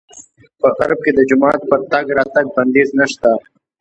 په غرب کې د جومات پر تګ راتګ بندیز نه شته.